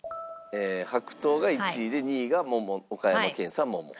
白桃が１位で２位が岡山県産桃。